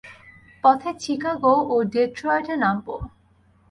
পথে চিকাগো ও ডেট্রয়েটে নামব।